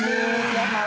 tiap malam jadi sakit